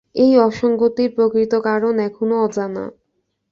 এই অসংগতির প্রকৃত কারণ এখনো অজানা।